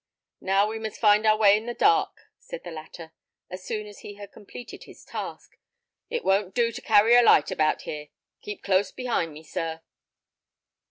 "Now we must find our way in the dark," said the latter, as soon as he had completed his task. "It won't do to carry a light about here. Keep close behind me, sir."